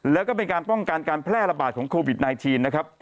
แล้วก็เป็นการป้องกันการแพร่ระบาดของโควิด๑๙นะครับ